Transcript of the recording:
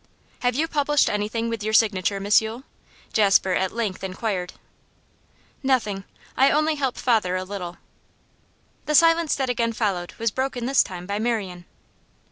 'Have you published anything with your signature, Miss Yule?' Jasper at length inquired. 'Nothing. I only help father a little.' The silence that again followed was broken this time by Marian.